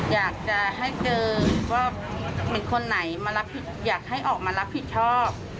อยากจะให้เจอว่าเป็นคนไหนอยากให้ออกมารับผิดชอบ